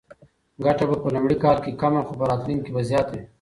ګټه به په لومړي کال کې کمه خو په راتلونکي کې به زیاته وي.